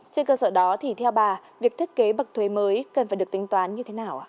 trên cơ sở đó thì theo bà việc thiết kế bậc thuế mới cần phải được tính toán như thế nào